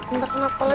bentar kenapa lagi